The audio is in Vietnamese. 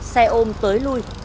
xe ôm tới lui